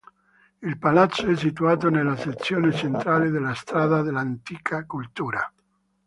Il palazzo è situato nella sezione centrale della Strada dell'antica cultura.